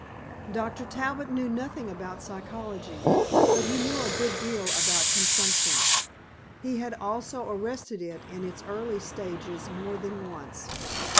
Dr. Talbot knew nothing about psychology but he knew a good deal about consumption. He had also arrested it in its earlier stages more than once.